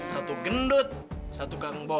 satu gendut satu kangbo